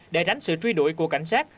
để ránh sự truy đuổi của cảnh sát